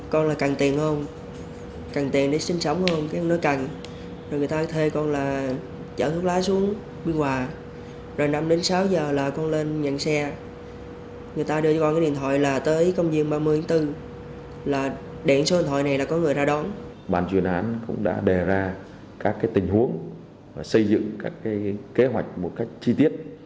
các tình huống xây dựng các kế hoạch một cách chi tiết